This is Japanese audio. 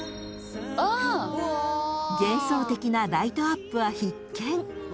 ［幻想的なライトアップは必見］